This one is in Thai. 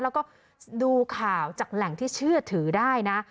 แล้วก็ดูข่าวจากแหล่งที่เชื่อถือได้นะ